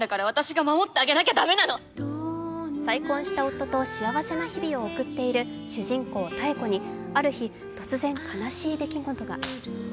再婚した夫と幸せな日々を送っている主人公・妙子にある日、突然、悲しい出来事が。